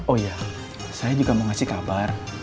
oh ya saya juga mau ngasih kabar